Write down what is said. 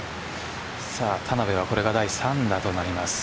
田辺はこれが第３打となります。